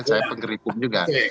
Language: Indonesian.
saya pengerikun juga